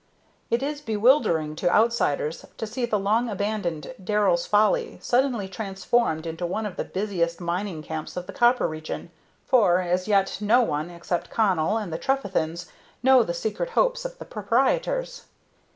It is bewildering to outsiders to see the long abandoned "Darrell's Folly" suddenly transformed into one of the busiest mining camps of the copper region, for as yet no one, except Connell and the Trefethens, knows the secret hopes of the proprietors.